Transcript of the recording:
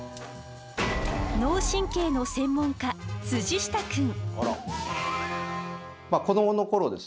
脳神経の専門家下くん。